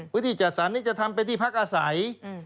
พื้นที่จัดสรรจะทำเป็นที่พักอาศัย